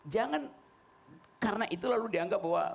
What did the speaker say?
jangan karena itu lalu dianggap bahwa